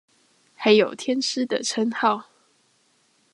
還有天師的稱號